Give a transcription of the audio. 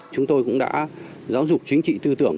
chúng tôi cũng đã giáo dục chính trị tư tưởng